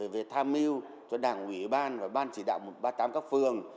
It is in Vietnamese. về tham mưu cho đảng ủy ban và ban chỉ đạo ba mươi tám các phường